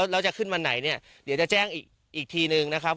แล้วจะขึ้นวันไหนเนี่ยเดี๋ยวจะแจ้งอีกทีนึงนะครับ